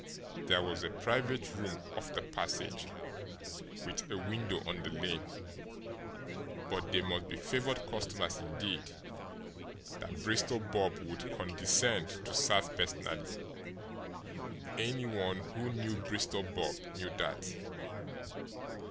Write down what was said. There was a private room off the passage, with a window on the lane; but they must be favoured customers indeed that Bristol Bob would condescend to serve personally any one who knew Bristol Bob knew that.